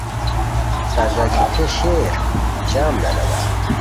تازگی تھے شیر؟ جم لہ دادا